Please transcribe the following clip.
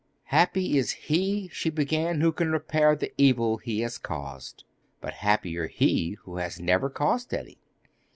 'Happy is he,' she began, 'who can repair the evil he has caused, but happier he who has never caused any.